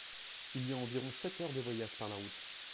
Il y a environ sept heures de voyage par la route.